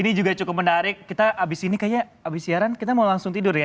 ini juga cukup menarik kita habis ini kayaknya habis siaran kita mau langsung tidur ya